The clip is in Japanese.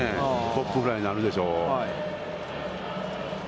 ポップフライになるでしょう。